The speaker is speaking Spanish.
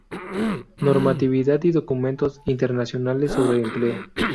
Normatividad y documentos internacionales sobre empleo.